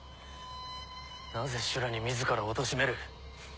なぜ修羅に自らをおとしめる。